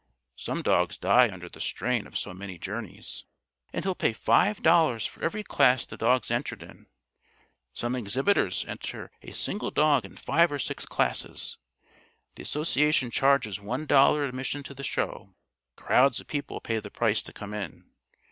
(Some dogs die under the strain of so many journeys.) And he'll pay five dollars for every class the dog's entered in. Some exhibitors enter a single dog in five or six classes. The Association charges one dollar admission to the show. Crowds of people pay the price to come in.